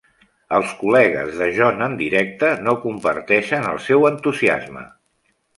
Els col·legues de Jon en directe no comparteixen el seu entusiasme.